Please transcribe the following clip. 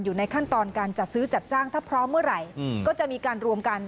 อยู่ในขั้นตอนการจัดซื้อจัดจ้างถ้าพร้อมเมื่อไหร่ก็จะมีการรวมกัน